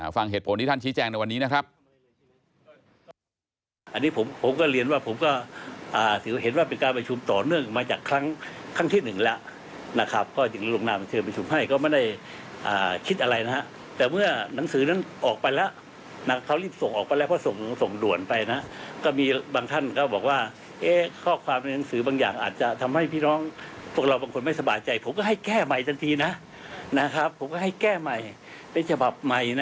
ฟังเหตุผลที่ท่านชี้แจงในวันนี้นะครับ